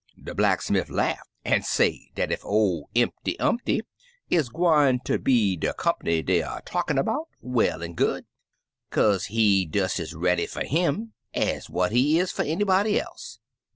"De blacksmiff laugh an' say dat ef ol' Impty Umpty is gwine ter be de comp'ny dey er talkin' 'bout, well an' good, kaze he des ez ready fer 'im ez what he is fer any body else.